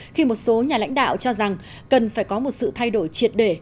khi một số nhà lãnh đạo cho rằng cần phải có một sự thay đổi triệt để